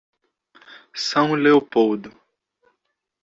São Leopoldo